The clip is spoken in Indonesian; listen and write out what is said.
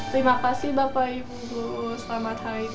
terima kasih bapak ibu guru selamat hari guru